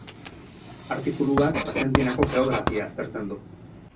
Artikuluak Argentinako geografia aztertzen du.